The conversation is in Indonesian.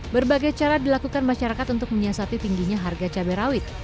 berbagai cara dilakukan masyarakat untuk menyiasati tingginya harga cabai rawit